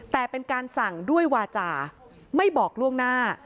แต่เป็นการสั่งด้วยวาจาไม่บอกล่วงหน้า